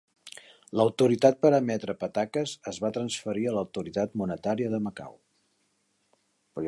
L'autoritat per emetre pataques es va transferir a l'autoritat monetària de Macau.